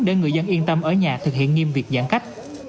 để người dân yên tâm ở nhà thực hiện nghiêm việc giãn cách